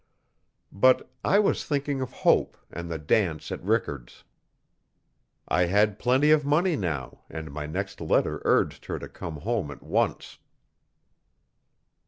But I was thinking of Hope and the dance at Rickard's. I had plenty of money now and my next letter urged her to come home at once.